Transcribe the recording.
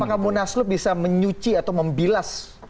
apakah munaslup bisa menyuci atau membilas